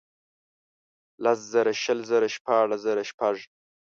لس زره شل ، شپاړس زره شپږ.